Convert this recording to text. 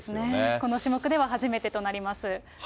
この種目では初めてとなります。